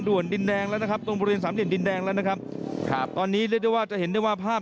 บริเวณสามเหลี่ยนดินแดงแล้วนะครับ